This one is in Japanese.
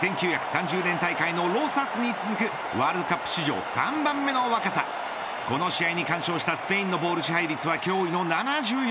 １９３０年大会のロサスに続くワールドカップ史上３番目の若さこの試合に完勝したスペインのボール支配率は驚異の７４％。